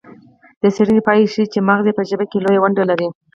د څیړنې پایله ښيي چې مغزه په ژبه کې لویه ونډه لري